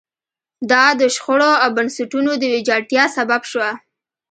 دا د شخړو او بنسټونو د ویجاړتیا سبب شوه.